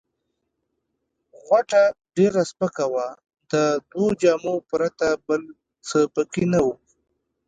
غوټه ډېره سپکه وه، د دوو جامو پرته بل څه پکښې نه وه.